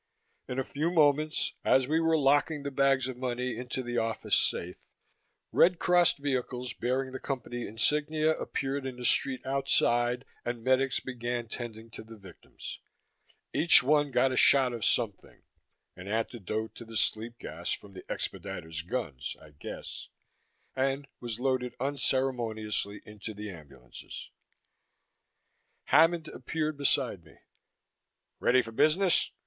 In a few moments, as we were locking the bags of money into the office safe, red crossed vehicles bearing the Company insignia appeared in the street outside, and medics began tending to the victims. Each one got a shot of something an antidote to the sleep gas from the expediters' guns, I guessed and was loaded unceremoniously into the ambulances. Hammond appeared beside me. "Ready for business?"